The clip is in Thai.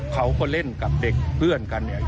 เขาก็เล่นกับเด็กเพื่อนกันเนี่ย